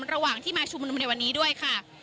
ระหว่างที่มาชุมนุมในวันนี้ด้วยค่ะ